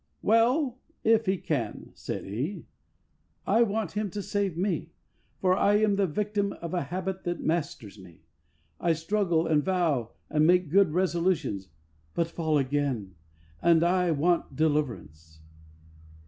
"Well, if He can," said he, " I want Him to save me, for I am the victim of a habit that masters me. I struggle and vow and make good resolutions, but fall again, and I want deliverance."